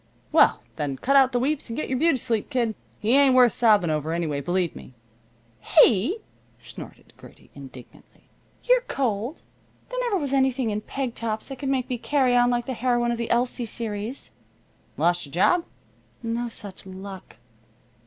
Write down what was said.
"Well, then, cut out the weeps and get your beauty sleep, kid. He ain't worth sobbing over, anyway, believe me." "He!" snorted Gertie indignantly. "You're cold. There never was anything in peg tops that could make me carry on like the heroine of the Elsie series." "Lost your job?" "No such luck."